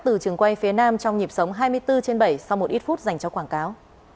từ trường quay phía nam trong nhịp sống hai mươi bốn trên bảy sau một ít phút dành cho quảng cáo